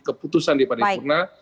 keputusan di paripurna